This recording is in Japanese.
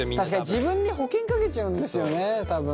自分に保険かけちゃうんですよね多分。